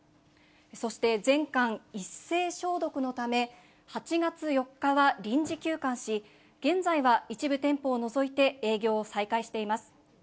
そして全館一斉消毒のため、８月４日は臨時休館し、現在は一部店舗を除いて営業を再開しています。